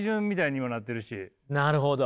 なるほど！